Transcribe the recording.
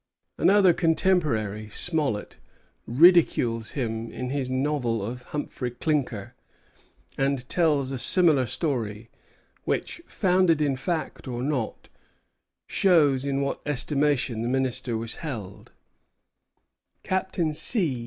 '" Another contemporary, Smollett, ridicules him in his novel of Humphrey Clinker, and tells a similar story, which, founded in fact or not, shows in what estimation the minister was held: "Captain C.